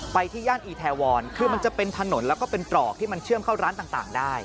ที่ย่านอีแทวรคือมันจะเป็นถนนแล้วก็เป็นตรอกที่มันเชื่อมเข้าร้านต่างได้